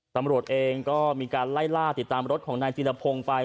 ตำรวจเองก็มีการไล่ล่าติดตามรถของนายจีรพงศ์ไป